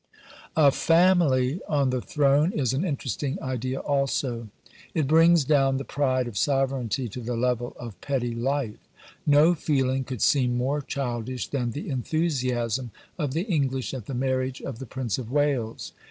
A FAMILY on the throne is an interesting idea also. It brings down the pride of sovereignty to the level of petty life. No feeling could seem more childish than the enthusiasm of the English at the marriage of the Prince of Wales.